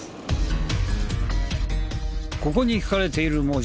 ここに書かれている文字。